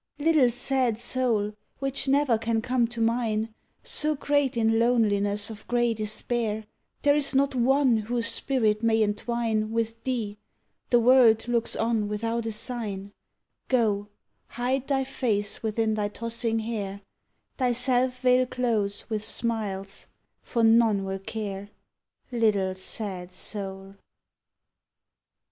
Little sad soul, which ne'er can come to mine, So great in loneliness of grey despair, There is not one whose spirit may entwine With thee the world looks on without a sign; Go hide thy face within thy tossing hair, Thyself veil close with smiles, for none will care, Little sad soul.